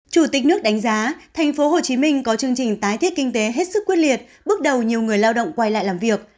chủ tịch nước đánh giá tp hcm có chương trình tái thiết kinh tế hết sức quyết liệt bước đầu nhiều người lao động quay lại làm việc